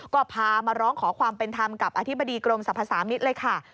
ก็พามาร้องขอความเป็นธรรมกับอธิบดีกรมสรรพสามิตรเลยค่ะ